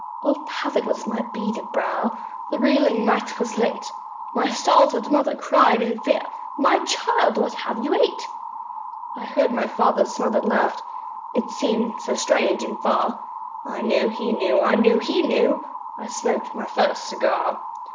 All pallid was my beaded brow, The reeling night was late, My startled mother cried in fear, "My child, what have you ate?" I heard my father's smothered laugh, It seemed so strange and far, I knew he knew I knew he knew I'd smoked my first cigar!